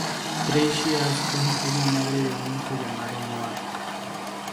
Tracy Ashton es la madre de un hijo llamado Noah.